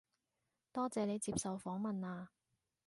多謝你接受訪問啊